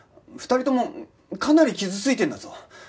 ２人ともかなり傷ついてるんだぞ。